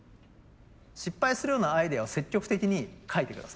失敗するようなアイデアを積極的にかいて下さい。